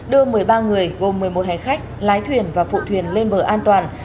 đưa một mươi ba người gồm một mươi một hành khách lái thuyền và phụ thuyền lên bờ an toàn